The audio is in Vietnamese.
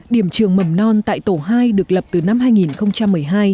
điểm trường mầm non tại tổ hai được lập từ năm hai nghìn một mươi hai